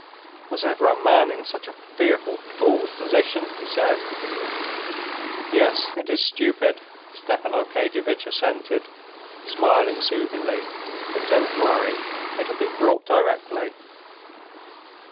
"Was ever a man in such a fearful fool's position?" he said. "Yes, it is stupid," Stepan Arkadyevitch assented, smiling soothingly. "But don't worry, it'll be brought directly."